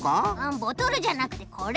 ボトルじゃなくてこれ。